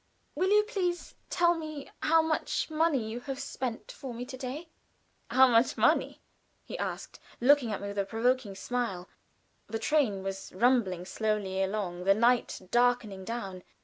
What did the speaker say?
"Will you please tell me how much money you have spent for me to day?" "How much money?" he asked, looking at me with a provoking smile. The train was rumbling slowly along, the night darkening down.